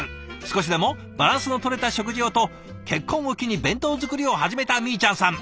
少しでもバランスのとれた食事をと結婚を機に弁当作りを始めたみーちゃんさん。